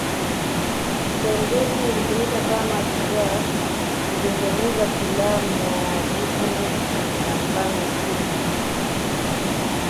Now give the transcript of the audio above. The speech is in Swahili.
Serengeti ilitumika kama jukwaa kutengeneza filamu ya Disney ya mfalme simba